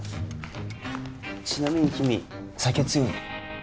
ちなみに君酒強いの？